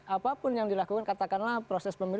apapun yang dilakukan katakanlah proses pemilu